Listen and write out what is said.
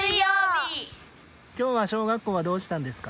今日は小学校はどうしたんですか？